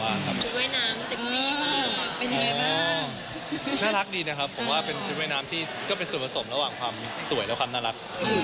น่ารักดีนะครับผมว่าเป็นชุดว่ายน้ำที่ก็เป็นส่วนผสมระหว่างความสวยและความน่ารัก